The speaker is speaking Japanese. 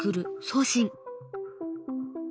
送信。